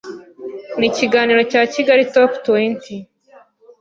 n’ikiganiro cya Kigali’s Top twenty